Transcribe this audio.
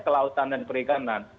kelautan dan perikanan